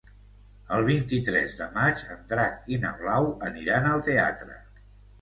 El vint-i-tres de maig en Drac i na Blau aniran al teatre.